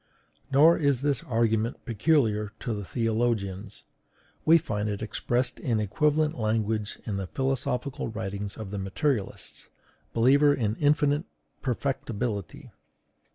Nor is this argument peculiar to the theologians; we find it expressed in equivalent language in the philosophical writings of the materialists, believers in infinite perfectibility.